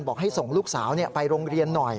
บอกให้ส่งลูกสาวไปโรงเรียนหน่อย